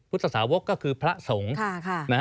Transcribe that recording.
สาวกก็คือพระสงฆ์